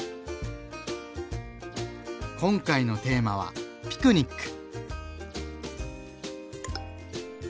今回のテーマは「ピクニック」。